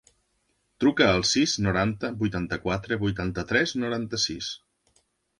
Truca al sis, noranta, vuitanta-quatre, vuitanta-tres, noranta-sis.